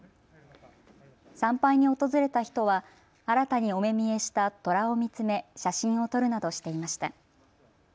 参拝に訪れた人は新たにお目見えしたとらを見つめ写真を撮るなどしていました。